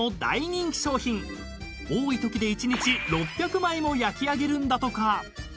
［多いときで１日６００枚も焼き上げるんだとか］